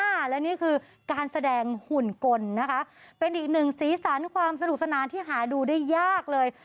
และนี่คือการแสดงหุ่นกลนะคะเป็นอีกหนึ่งสีสันความสนุกสนานที่หาดูได้ยากเลย